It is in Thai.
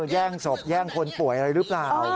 แย่งศพแย่งคนป่วยอะไรหรือเปล่า